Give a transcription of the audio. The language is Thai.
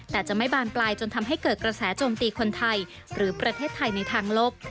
แต่จะไม่บานปลายจนทำให้เกิดกระแสโจมตีคนไทยหรือประเทศไทยในทางลบ